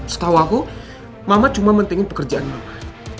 setahu aku mama cuma pentingin pekerjaan doang